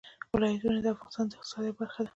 ولایتونه د افغانستان د اقتصاد یوه برخه ده.